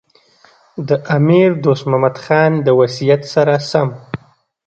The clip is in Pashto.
د امیر دوست محمد خان د وصیت سره سم.